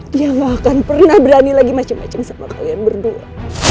dia gak akan pernah berani lagi macam macam sama kalian berdua